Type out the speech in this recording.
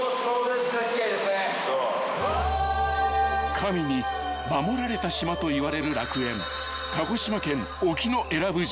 ［神に守られた島といわれる楽園］